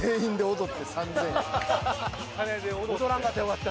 踊らんかったらよかった。